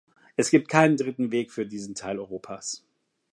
Es gibt keinen dritten Weg für diesen Teil Europas.